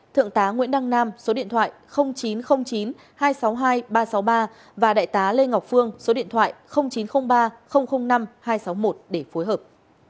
thượng tá nguyễn đăng nam số điện thoại chín trăm linh chín hai trăm sáu mươi hai ba trăm sáu mươi ba và đại tá lê ngọc phương số điện thoại chín trăm linh ba năm hai trăm sáu mươi một để phối hợp